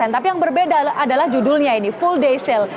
tapi yang berbeda adalah judulnya ini full day sale